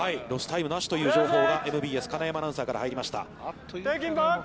ロスタイムなしという情報がＭＢＳ金山アナウンサーから入りました。